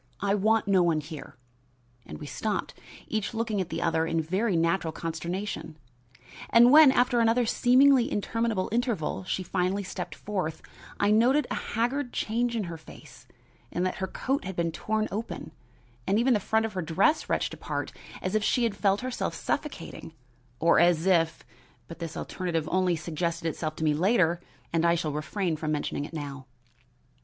I want no one here!" and we stopped, each looking at the other in very natural consternation. And when, after another seemingly interminable interval, she finally stepped forth, I noted a haggard change in her face, and that her coat had been torn open and even the front of her dress wrenched apart as if she felt herself suffocating, or as if but this alternative only suggested itself to me later and I shall refrain from mentioning it now.